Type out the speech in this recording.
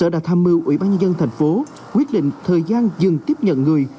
đã tham mưu ủy ban nhân dân thành phố quyết định thời gian dừng tiếp nhận người